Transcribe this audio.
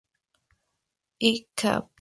I cap.